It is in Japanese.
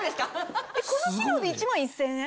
この機能で１万１０００円？